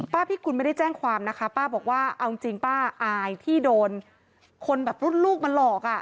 พี่กุลไม่ได้แจ้งความนะคะป้าบอกว่าเอาจริงป้าอายที่โดนคนแบบรุ่นลูกมาหลอกอ่ะ